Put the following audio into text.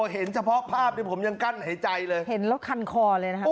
เห็นเฉพาะภาพที่ผมยังกั้นหายใจเลยเห็นแล้วคันคอเลยนะฮะ